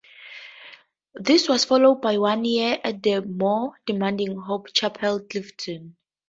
This was followed by one year at the more demanding Hope Chapel, Clifton.